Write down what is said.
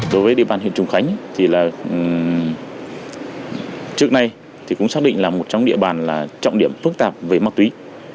đối với địa bàn huyện trùng khánh trước nay cũng xác định là một trong địa bàn trọng điểm phức tạp về ma túy